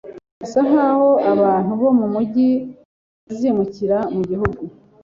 birasa nkaho abantu bo mumujyi bazimukira mugihugu